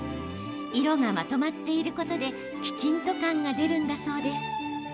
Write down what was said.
色がまとまっていることできちんと感が出るんだそうです。